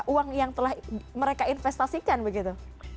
uang yang telah mereka investasikan begitu